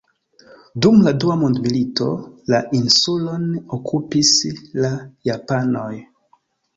Dum la dua mondmilito, la insulon okupis la japanoj.